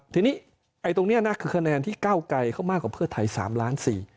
ทีนี้ไอ้ตรงนี้นะคือคะแนนที่ก้าวไกลเขามากกว่าเพื่อไทย๓ล้าน๔